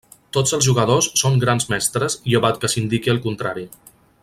Tots els jugadors són Grans Mestres llevat que s'indiqui el contrari.